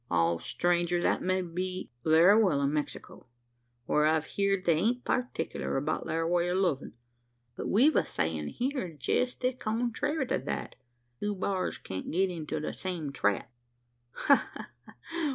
"Ah, stranger! that may be all be very well in Mexico, whar I've heerd they ain't partickler about thar way o' lovin': but we've a sayin' here jest the contrairy o' that: `two bars can't get into the same trap.'" "Ha, ha, ha!